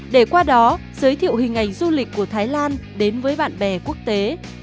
để qua đó giới thiệu hình ảnh du lịch của thái lan đến với bạn bè quốc tế